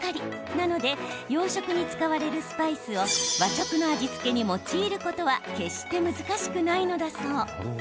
なので洋食に使われるスパイスを和食の味付けに用いることは決して難しくないのだそう。